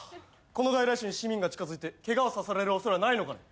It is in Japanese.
この外来種に市民が近づいてケガをさせられる恐れはないのかね？